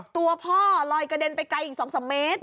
ตัวพ่อลอยกระเด็นไปไกลอีก๒๓เมตร